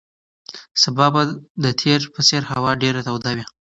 سبا به د تېر په څېر هوا ډېره توده وي.